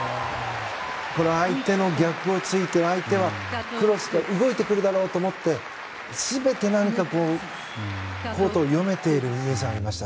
これは相手の逆を突いて相手はクロス動いてくるだろうと思って全て、コートを読めている未唯さんがいました。